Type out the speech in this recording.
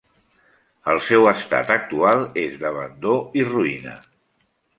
El seu estat actual és d'abandó i ruïna.